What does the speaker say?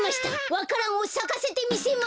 わか蘭をさかせてみせます！